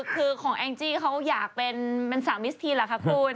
คือของแองจี้เขาอยากเป็นสาวมิสทีนเหรอคะคุณ